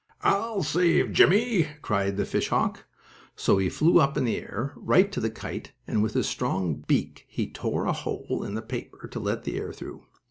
"I will save Jimmie!" cried the fish hawk. So he flew up in the air, right to the kite, and, with his strong beak, he tore a hole in the paper to let the air through.